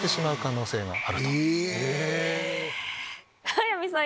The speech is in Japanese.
早見さん